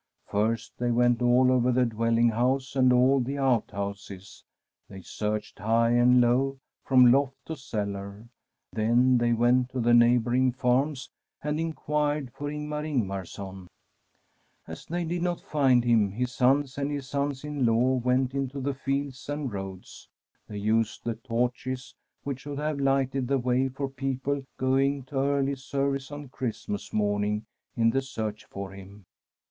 First they went all over the dwelling house and all the outhouses. They searched high and low, from loft to cellar. Then they went to the neighbouring farms and inquired for Ingmar Ingmarson. From a SfTEDISH HOMESTEAD As they did not find him, his sons and his sons in law went into the fields and roads. They used the torches which should have lighted the way for people going to early service on Christmas morn ing in the search for him.